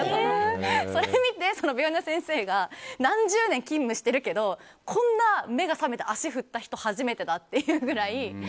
それ見て病院の先生が何十年、勤務してるけどこんな目が覚めて足振った人初めてだというぐらい。